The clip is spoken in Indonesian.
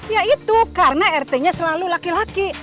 ya itu karena rt nya selalu laki laki